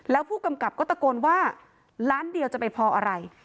แล้วผู้กำกับก็ตะโกนว่าล้านเดียวจะไปพออะไร